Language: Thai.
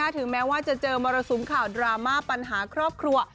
ถึงแม้ว่าจะเจอมรสุมข่าวดราม่าปัญหาครอบครัว